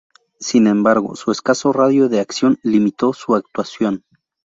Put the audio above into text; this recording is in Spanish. Sin embargo, su escaso radio de acción limitó su actuación.